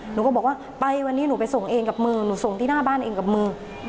หนูก็บอกว่าไปวันนี้หนูไปส่งเองกับมือหนูส่งที่หน้าบ้านเองกับมือ